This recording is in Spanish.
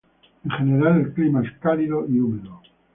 En general el clima es cálido y húmedo.